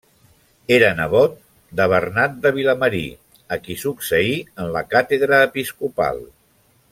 Era nebot de Bernat de Vilamarí a qui succeí en la càtedra episcopal.